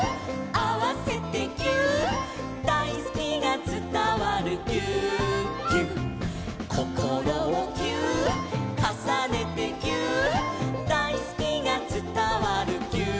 「あわせてぎゅーっ」「だいすきがつたわるぎゅーっぎゅっ」「こころをぎゅーっ」「かさねてぎゅーっ」「だいすきがつたわるぎゅーっぎゅっ」